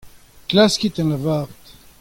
Klaskit en lavaret.